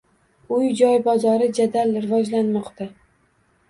Uy -joy bozori jadal rivojlanmoqda